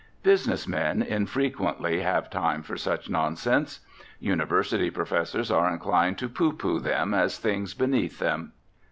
Business men infrequently have time for such nonsense. University professors are inclined to pooh pooh them as things beneath them.